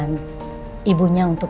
tetap mendampingi dia